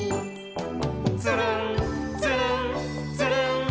「つるんつるんつるん」